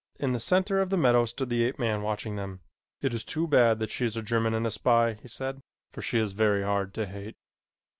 In the center of the meadow stood the ape man watching them. "It is too bad that she is a German and a spy," he said, "for she is very hard to hate."